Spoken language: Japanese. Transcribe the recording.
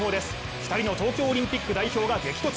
２人の東京オリンピック代表が激突。